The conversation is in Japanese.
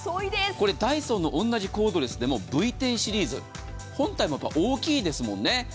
ダイソンの同じコードレスでもＶ１０シリーズ本体も大きいですもんね。